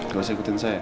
gak usah ikutin saya